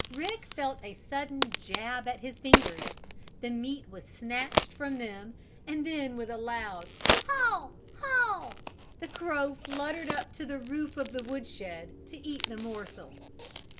Rick felt a sudden jab at his fingers, the meat was snatched from them and then with a loud "Haw! Haw!" the crow fluttered up to the roof of the woodshed to eat the morsel.